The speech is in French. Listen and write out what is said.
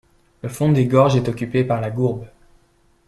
Le fond des gorges est occupé par la Gourbe.